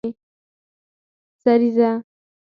سریزه